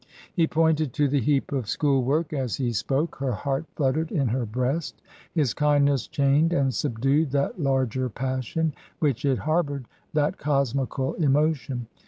He pointed to the heap of school work as he spoke. Her heart fluttered in her breast. His kindness chained and subdued that larger passion which it harboured, that cosmical emotion.